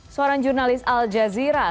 suara jurnalis al jazeera